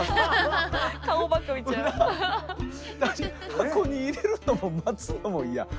箱に入れるのも待つのも嫌。